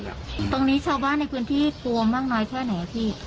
ตรงนี้ชาวบ้านในพื้นที่กลัวมากน้อยแค่ไหนอะพี่